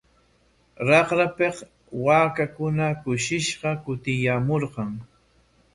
Raqrapik waakakuna kushishqa kutiyaamurqan.